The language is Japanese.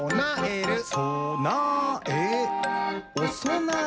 「そなえおそなえ！」